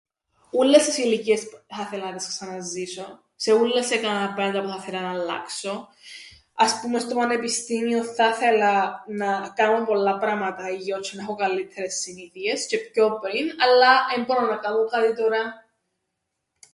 Ούλλες τις ηλικίες θα 'θελα να τες ξαναζήσω, σε ούλλες έκαμα πράματα που θα 'θελα ν' αλλάξω, ας πούμεν στο Πανεπιστήμιον θα 'θελα να κάμω πολλά πράματα αλλιώς τžαι να 'χω καλλύττερες συνήθειες τžαι πιο πριν αλλά εν μπορώ να κάμω κάτι τωρά.